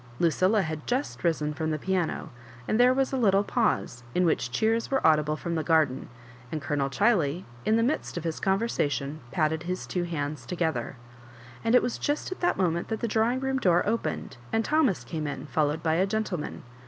Lucilla had just risen from the piano, and there was a httle pause, in which cheers were audible fr^m the garden, and Colonel Chiley, iu the midst of his conversation, patted his two hands together ; and it was just at that moment that the drawing room door opened, and Thomas came in, followed by a gentleman.